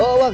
oh oh bang